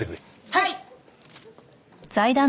はい！